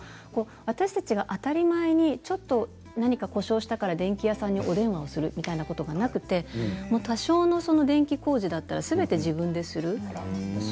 私たちが当たり前に何か故障したから電気屋さんに電話をするといったことがなくて多少の電気工事だったらすべて自分でする。